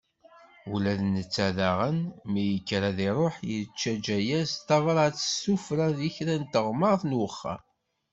Ula d netta daɣen, mi yekker ad iruḥ, yettaǧǧa-yas-d tabrat s tuffra di kra n teɣmert n uxxam.